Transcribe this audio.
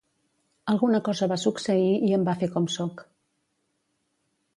Alguna cosa va succeir i em va fer com sóc.